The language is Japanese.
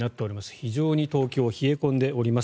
非常に東京、冷え込んでおります。